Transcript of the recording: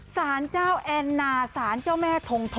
สารเจ้าแอนนาศาลเจ้าแม่ทงทอ